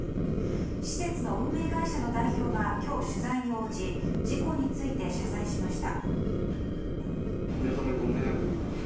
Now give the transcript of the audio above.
施設の運営会社の代表が今日、取材に応じ事故について謝罪しました。